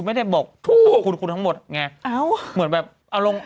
ไม่ทางก่อน